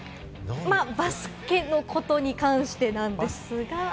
バスケのことに関してなんですが。